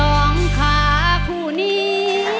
สองขาคู่นี้